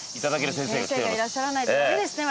先生がいらっしゃらないとダメですね